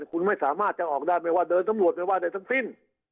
คุณไม่สามารถจะออกได้ไม่ว่าเดินสำรวจไม่ว่าใดทั้งสิ้น